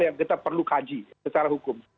yang kita perlu kaji secara hukum